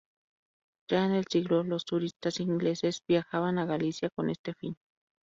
Ya en el siglo los turistas ingleses viajaban a Galicia con este fin.